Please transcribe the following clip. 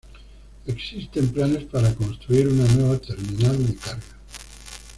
Existen planes para construir una nueva terminal de carga.